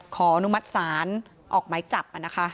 อนุมัติศาลออกหมายจับนะคะ